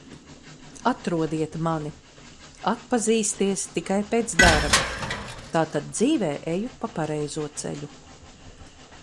Atrodiet mani, atpazīsties tikai pēc darba. Tātad dzīvē eju pa pareizo ceļu.